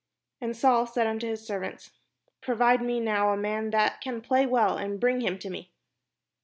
And Saul said unto his servants : "Provide me now a man that can play well, and bring him to me."